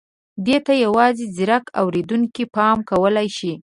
دې ته یوازې ځيرک اورېدونکي پام کولای شي.